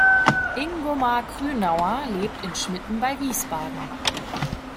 Ingomar Grünauer lebt in Schmitten bei Wiesbaden.